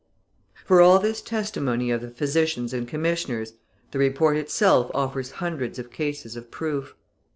For all this testimony of the physicians and commissioners, the report itself offers hundreds of cases of proof.